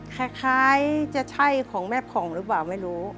คล้ายจะใช่ของแม่ผ่องหรือเปล่าไม่รู้